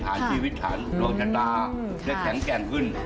ฐานชีวิตฐานลงจัดด่าจะแข็งแข็งขึ้น